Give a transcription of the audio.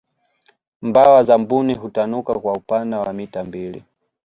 mbawa za mbuni hutanuka kwa upana wa mita mbili